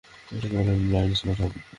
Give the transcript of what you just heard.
এটাকে বলে blind spot hub.